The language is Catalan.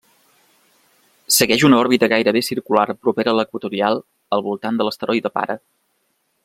Segueix una òrbita gairebé circular propera a l'equatorial al voltant de l'asteroide pare.